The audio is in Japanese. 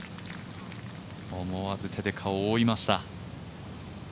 思わず手で顔を覆いました。